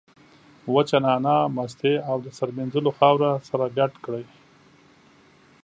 وچه نعناع، مستې او د سر مینځلو خاوره سره ګډ کړئ.